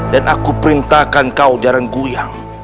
dan aku perintahkan kau jarang guyang